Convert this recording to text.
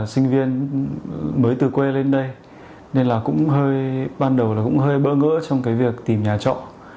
sinh viên mới từ quê lên đây nên là cũng hơi ban đầu là cũng hơi bỡ ngỡ trong cái việc tìm nhà trọ